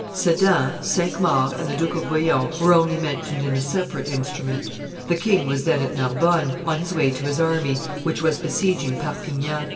Sedan, Cinq Mars, and the Duke of Bouillon were only mentioned in a separate instrument. The king was then at Narbonne, on his way to his army, which was besieging Perpignan.